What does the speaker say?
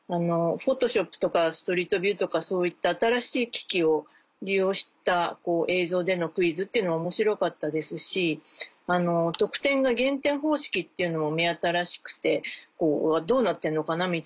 フォトショップとかストリートビューとかそういった新しい機器を利用した映像でのクイズっていうのは面白かったですし得点が減点方式っていうのも目新しくてどうなってんのかな？